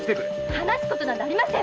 話すことなどありません！